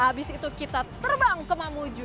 habis itu kita terbang ke mamuju